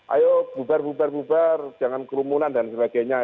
ayo bubar bubar bubar jangan kerumunan dan sebagainya